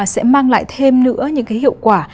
sẽ mang lại thêm nữa những cái hiệu quả